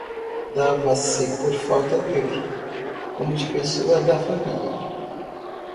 dava-se por falta dele, como de pessoa da família.